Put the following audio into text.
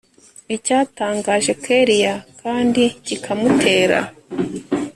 icyatangaje kellia kandi kikamutera